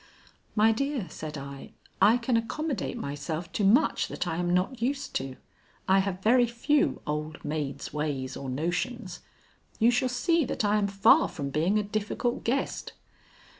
"My dear," said I, "I can accommodate myself to much that I am not used to. I have very few old maid's ways or notions. You shall see that I am far from being a difficult guest."